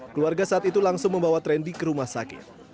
keluarga saat itu langsung membawa trendi ke rumah sakit